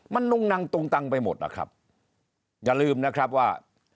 มันนุ่งนังตุงตังไปหมดนะครับอย่าลืมนะครับว่า